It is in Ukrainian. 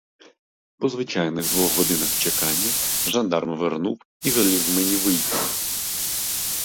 По звичайних двох годинах чекання жандарм вернув і велів мені ввійти.